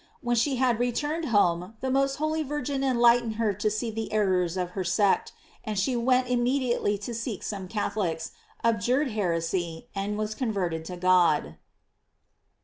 When she had returned home the most holy Virgin enlightened her to see the errors of her sect, and she went immediately to seek some Catholics, abjured heresy, and was converted to God.